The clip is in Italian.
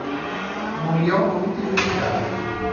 Non li ho voluti giudicare.